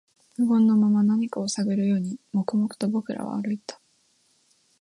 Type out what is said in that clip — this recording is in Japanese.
無言のまま、何かを探るように、黙々と僕らは歩いた